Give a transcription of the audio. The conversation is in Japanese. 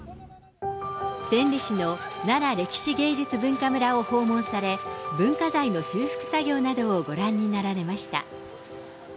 天理市のなら歴史芸術文化村を訪問され、文化財の修復作業などをご覧になられました。